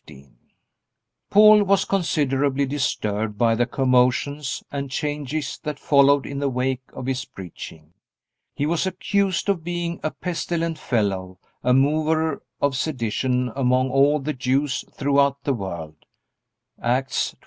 Paul was considerably disturbed by the commissions and changes that followed in the wake of his preaching. He was accused of being "a pestilent fellow, a mover of sedition among all the Jews throughout the world." (Acts 24:5.)